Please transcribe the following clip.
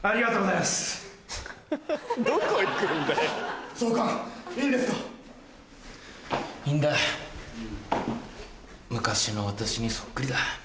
いいんだ昔の私にそっくりだ。